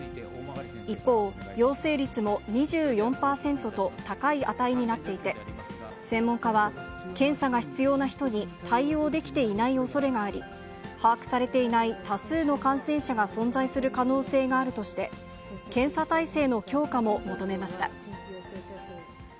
一方、陽性率も２４％と、高い値になっていて、専門家は、検査が必要な人に対応できていないおそれがあり、把握されていない多数の感染者が存在する可能性があるとして、検査体制の強化も求めました。